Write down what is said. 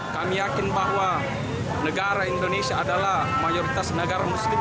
kami yakin bahwa negara indonesia adalah mayoritas negara muslim